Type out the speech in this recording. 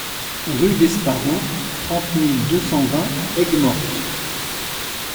Rue d'Esparron, trente mille deux cent vingt Aigues-Mortes